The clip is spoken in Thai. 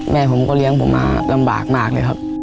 แม่ผมก็เลี้ยงผมมาลำบากมากเลยครับ